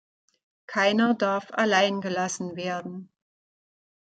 Keiner darf allein gelassen werden.